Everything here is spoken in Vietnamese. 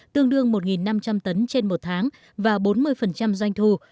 tương đương một năm trăm linh tấn trên một tháng và bốn mươi doanh thu